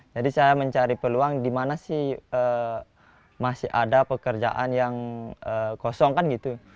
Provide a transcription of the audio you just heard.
jadi saya mencari peluang dimana sih masih ada pekerjaan yang kosong kan gitu